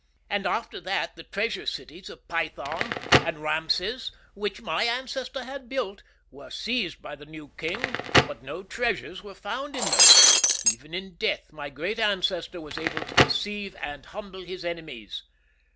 And after that the treasure cities of Pithom and Raamses, which my ancestor had built, were seized by the new king, but no treasures were found in them. Even in death my great ancestor was able to deceive and humble his enemies."